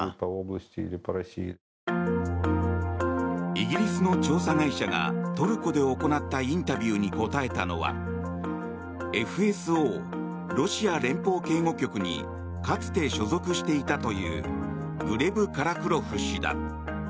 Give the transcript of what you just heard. イギリスの調査会社がトルコで行ったインタビューに答えたのはＦＳＯ・ロシア連邦警護局にかつて所属していたというグレブ・カラクロフ氏だ。